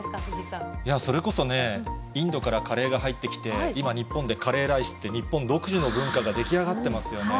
それこそね、インドからカレーが入ってきて、今、日本でカレーライスって、日本独自の文化が出来上がってますよね。